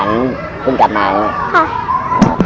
น้องน้องได้อยู่ทั้งส่วน